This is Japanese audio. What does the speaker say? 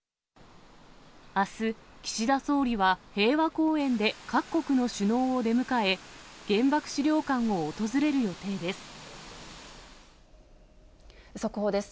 あす、岸田総理は平和公園で各国の首脳を出迎え、原爆資料館を訪れる予速報です。